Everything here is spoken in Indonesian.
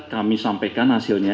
kami sampaikan hasilnya